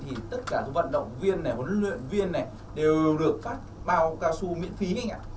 thì tất cả những vận động viên này huấn luyện viên này đều được phát bao cao su miễn phí anh ạ